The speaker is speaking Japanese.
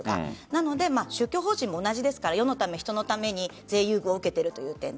なので宗教法人も同じですので世のため、人のために税優遇を受けている。